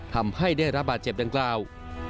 ทำให้ได้รับบาดเจ็บดังกล่าว